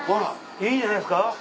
いいんじゃないですか。